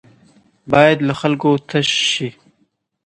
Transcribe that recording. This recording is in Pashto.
بايد له خلکو تش شي.